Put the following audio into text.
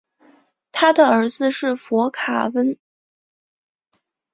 他的儿子是佛卡温。